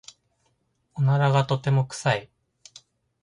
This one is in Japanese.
おならがとても臭い。